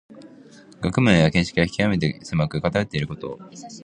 学問や見識がきわめて狭く、かたよっていること。